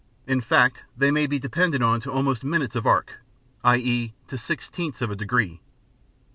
In fact they may be depended on almost to minutes of arc, i.e. to sixtieths of a degree.